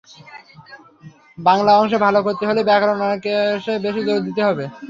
বাংলা অংশে ভালো করতে হলে ব্যাকরণ অংশে বেশি জোর দিতে হবে।